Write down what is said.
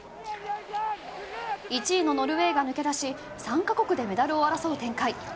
１位のノルウェーが抜け出し３カ国でメダルを争う展開。